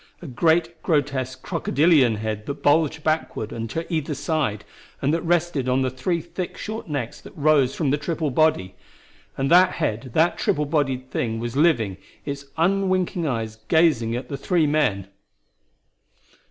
A great, grotesque crocodilian head that bulged backward and to either side, and that rested on the three thick short necks that rose from the triple body! And that head, that triple bodied thing, was living, its unwinking eyes gazing at the three men!